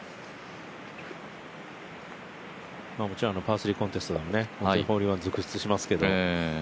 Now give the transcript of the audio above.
パー３コンテストでもホールインワン続出していますけど。